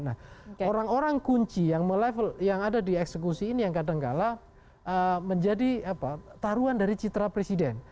nah orang orang kunci yang ada di eksekusi ini yang kadang kadang menjadi taruhan dari citra presiden